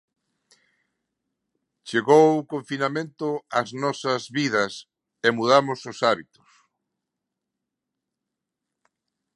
Chegou o confinamento as nosas vidas e mudamos os hábitos.